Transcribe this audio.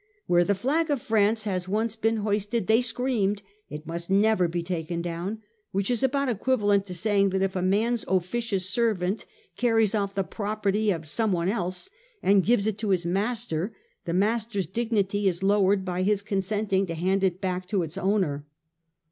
Where the flag of France has once been hoisted, they screamed, it must never be taken down ; which is about equivalent to saying that if a man's officious servant carries off the property of some one else, and gives it to his master, the master's dignity is lowered by his consenting to hand it back to its owner.